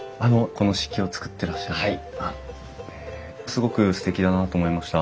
すごくすてきだなと思いました。